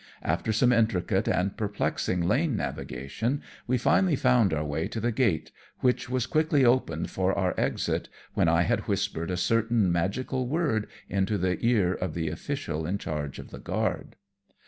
After some intricate and perplexing lane navigation, we finally found our way to the gate, which was quickly opened for our exit when I had whispered a certain magical word into the car of the official in charge of the guard.